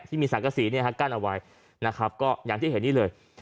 ที่มีสังกะสีเนี่ยฮะกั้นเอาไว้นะครับก็อย่างที่เห็นนี่เลย